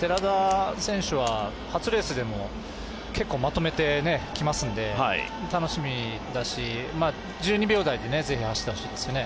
寺田選手は初レースでも結構まとめてきますので楽しみだし、１２秒台でぜひ走ってほしいですね。